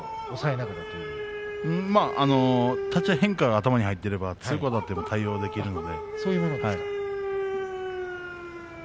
まだ立ち合いの変化が頭に入っていれば強くあたっても対応できるので。